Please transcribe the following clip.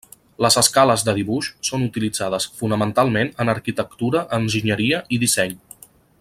Les escales de dibuix són utilitzades fonamentalment en arquitectura, enginyeria i disseny.